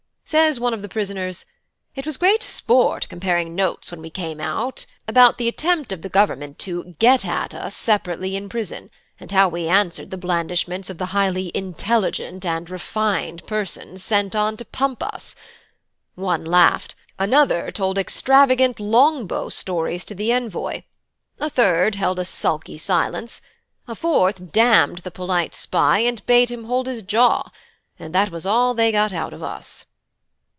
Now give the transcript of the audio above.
Says one of the prisoners: 'It was great sport comparing notes when we came out anent the attempt of the Government to "get at" us separately in prison, and how we answered the blandishments of the highly "intelligent and refined" persons set on to pump us. One laughed; another told extravagant long bow stories to the envoy; a third held a sulky silence; a fourth damned the polite spy and bade him hold his jaw and that was all they got out of us.'